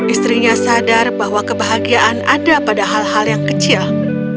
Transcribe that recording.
istrinya sadar bahwa kebahagiaan ada pada hal hal yang kecil